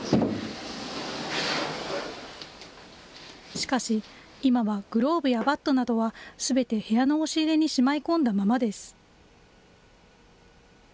しかし、今はグローブやバットなどは、すべて部屋の押し入れにしまい込んだままです。